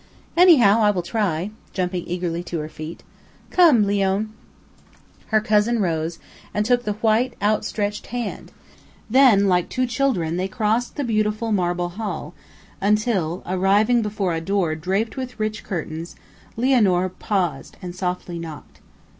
Anyhow, I will try," jumping eagerly to her feet. "Come, Leone." Her cousin rose, and took the white, outstretched hand; then like two children they crossed the beautiful marble hall, until, arriving before a door draped with rich curtains, Lianor paused and softly knocked.